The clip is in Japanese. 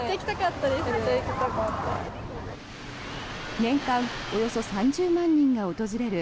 年間およそ３０万人が訪れる